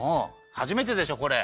はじめてでしょこれ。